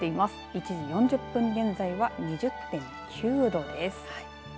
１時４０分現在は２０．９度です。